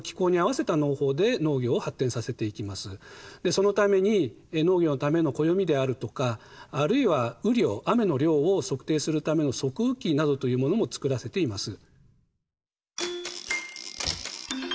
そのために農業のための暦であるとかあるいは雨量雨の量を測定するための測雨器などというものもつくらせています。